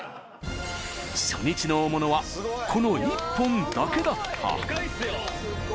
初日の大物はこの１本だけだったデカいっすよ。